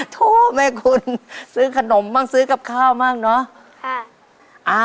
โทษแม่คุณซื้อขนมบ้างซื้อกับข้าวบ้างเนอะ